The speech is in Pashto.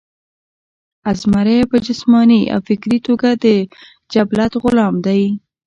ازمرے پۀ جسماني او فکري توګه د جبلت غلام دے